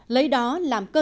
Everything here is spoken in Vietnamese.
lấy đó làm khó khăn